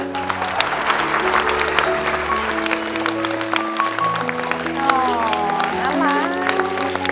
อ๋อน้ำมา